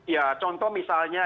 ya contoh misalnya